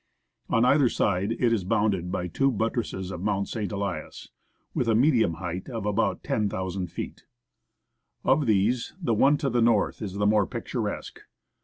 On either side it is bounded by two buttresses of Mount St. Elias, witli a medium height of about 10,000 feet. Of these the one to tlie north is the more picturesque.